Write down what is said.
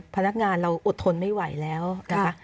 พนักงานเราอดทนไม่ไหวแล้วนะคะ